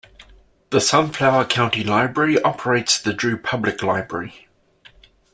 The Sunflower County Library operates the Drew Public Library.